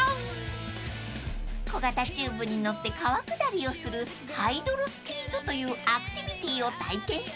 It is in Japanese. ［小型チューブに乗って川下りをするハイドロスピードというアクティビティを体験します］